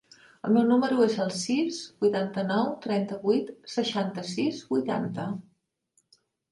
El meu número es el sis, vuitanta-nou, trenta-vuit, seixanta-sis, vuitanta.